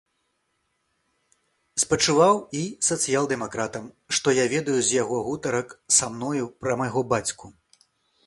Спачуваў і сацыял-дэмакратам, што я ведаю з яго гутарак са мною пра майго бацьку.